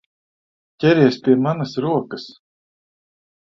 Ķeries pie manas rokas!